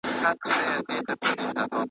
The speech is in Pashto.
« موړ د وږي له احواله څه خبر دی.